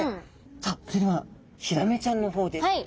さあそれではヒラメちゃんの方です。